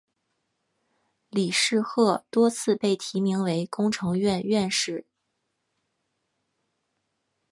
李世鹤多次被提名为工程院院士。